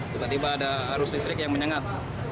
tiba tiba ada arus listrik yang menyengat